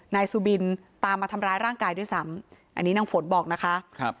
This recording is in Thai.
นายสุบินตามมาทำร้ายร่างกายด้วยซ้ำอันนี้นางฝนบอกนะคะครับ